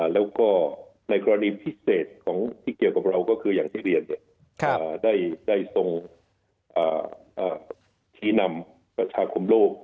แล้วก็ในกรณีพิเศษของที่เกี่ยวกับเราก็คืออย่างที่เรียนได้ทรงชี้นำประชาคมโลก